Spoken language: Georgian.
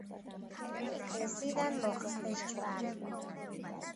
ეკლესიიდან მოხსნეს ჯვარი.